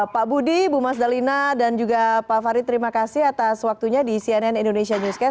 pak budi bu mas dalina dan juga pak farid terima kasih atas waktunya di cnn indonesia newscast